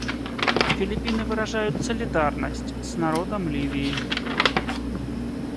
Филиппины выражают солидарность с народом Ливии.